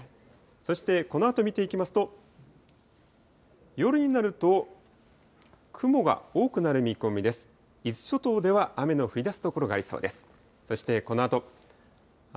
そしてこのあと見ていきますと、夜になると雲が多くなる見込みです。